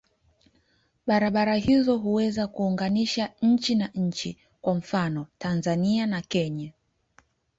Barabara hizo huweza kuunganisha nchi na nchi, kwa mfano Tanzania na Kenya.